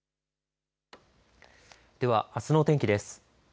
では、あすの天気です。